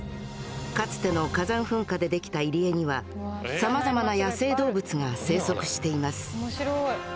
かつての火山噴火でできた入り江にはさまざまな野生動物が生息しています。